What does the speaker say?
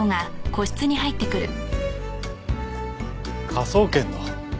科捜研の。